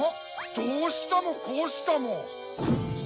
どうしたもこうしたも。